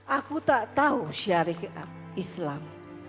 aku tak tahu syarikat islam